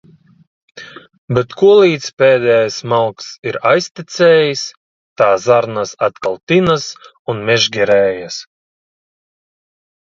Bet kolīdz pēdējais malks ir aiztecējis, tā zarnas atkal tinas un mežģerējas.